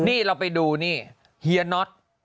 นี่เราไปดูนี่เฮียน็อต